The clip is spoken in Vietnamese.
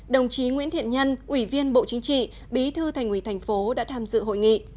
đồng chí nguyễn thiện nhân ủy viên bộ chính trị bí thư thành ủy thành phố đã tham dự hội nghị